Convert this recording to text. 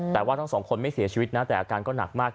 แต่ว่าทั้งสองคนไม่เสียชีวิตนะแต่อาการก็หนักมาก